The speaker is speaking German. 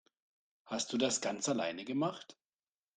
Hast du das ganz alleine gemacht?